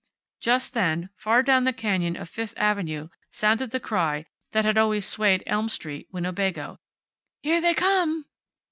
Just then, far down the canyon of Fifth avenue, sounded the cry that had always swayed Elm street, Winnebago. "Here they come!"